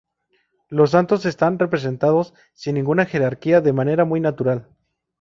Los santos están representados sin ninguna jerarquía, de manera muy natural.